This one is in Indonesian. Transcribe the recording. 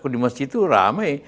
di masjid itu ramai